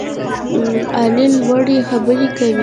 علي لوړې خبرې کوي.